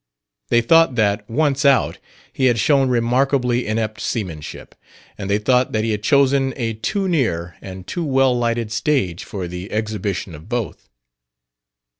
They thought that, once out, he had shown remarkably inept seamanship. And they thought that he had chosen a too near and too well lighted stage for the exhibition of both.